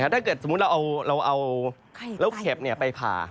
ถ้าเกิดสมมุติเราเอาแล้วเข็บไปผ่า